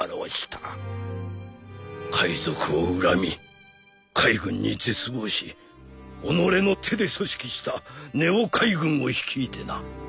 海賊を恨み海軍に絶望し己の手で組織したＮＥＯ海軍を率いてな。